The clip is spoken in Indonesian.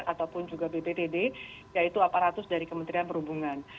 dan juga bptd yaitu aparatus dari kementerian perhubungan